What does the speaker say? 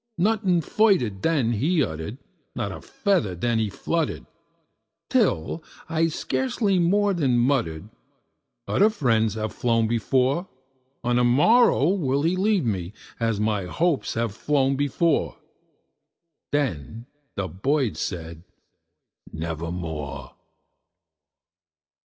Nothing further then he uttered not a feather then he fluttered Till I scarcely more than muttered, "Other friends have flown before On the morrow he will leave me, as my hopes have flown before." Then the bird said, "Nevermore."